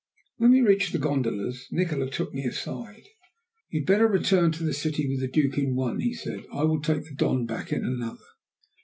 When we reached the gondolas Nikola took me aside. "You had better return to the city with the Duke in one," he said; "I will take the Don back in another."